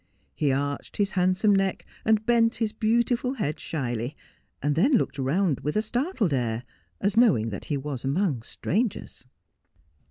He arched his handsome neck, and bent his beautiful head shyly, and then looked round with a startled air, as knowing that he was amongst strangers.